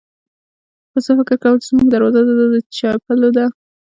پسه فکر کاوه چې زموږ دروازه د ده د چپلو ده.